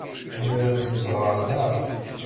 Bɣiɣ ad zedɣeɣ da.